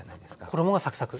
衣がサクサク。